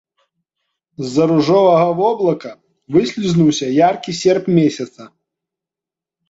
З-за ружовага воблака выслізнуўся яркі серп месяца.